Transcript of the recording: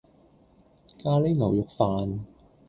咖哩牛肉飯